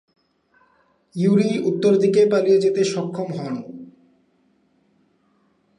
Yuri উত্তরদিকে পালিয়ে যেতে সক্ষম হন।